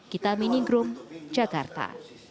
kita minigroom jakarta